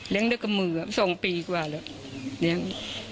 เลี้ยงด้วยกระมืออ่ะสองปีกว่าเลยเลี้ยง